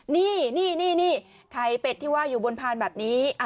นี่ไข่เป็ดที่ว่าอยู่บนพานแบบนี้